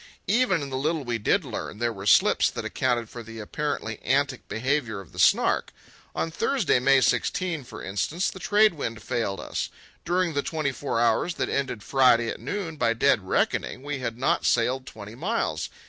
Even in the little we did learn there were slips that accounted for the apparently antic behaviour of the Snark. On Thursday, May 16, for instance, the trade wind failed us. During the twenty four hours that ended Friday at noon, by dead reckoning we had not sailed twenty miles.